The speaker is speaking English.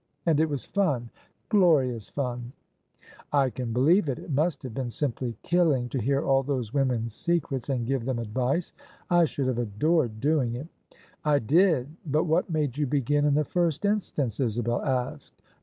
And it was fun ! Glorious fun !"" I can believe it ! It must have been simply killing to hear all those women's secrets and give them advice. I should have adored doing it !"" I did." " But what made you begin in the first instance? " Isabel asked.